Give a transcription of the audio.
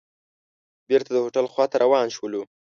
بېرته د هوټل خوا ته روان شولو.